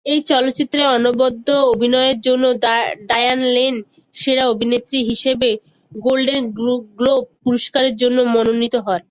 এ চলচ্চিত্রে অনবদ্য অভিনয়ের জন্য ডায়ান লেন সেরা অভিনেত্রী হিসেবে গোল্ডেন গ্লোব পুরস্কারের জন্য মনোনীত হন।